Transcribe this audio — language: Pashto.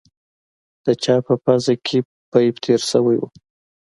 د چا په پوزه کښې پيپ تېر سوى و.